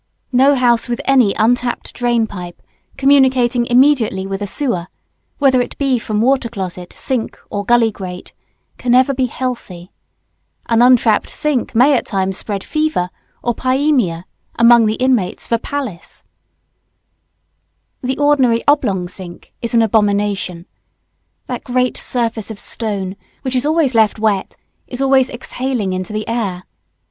No house with any untrapped drain pipe communicating immediately with a sewer, whether it be from water closet, sink, or gully grate, can ever be healthy. An untrapped sink may at any time spread fever or pyaemia among the inmates of a palace. [Sidenote: Sinks.] The ordinary oblong sink is an abomination. That great surface of stone, which is always left wet, is always exhaling into the air.